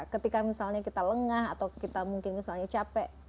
ketika misalnya kita lengah atau kita mungkin misalnya capek